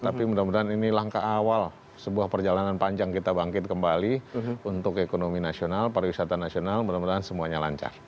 tapi mudah mudahan ini langkah awal sebuah perjalanan panjang kita bangkit kembali untuk ekonomi nasional pariwisata nasional mudah mudahan semuanya lancar